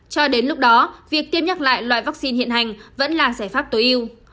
cho đến lúc đó việc tiêm nhắc lại loại vaccine hiện hành vẫn là giải pháp tối ưu